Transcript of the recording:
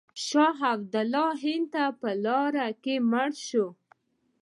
شاه عبدالله هند ته په لاره کې مړ شو.